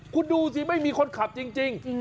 คุณดูสิไม่มีคนขับจริง